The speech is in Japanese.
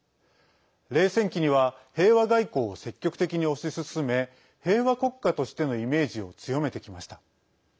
冷戦期には平和外交を積極的に推し進め平和国家としてのイメージを強めてきました。